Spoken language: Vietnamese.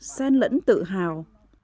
xen lẫn tự hào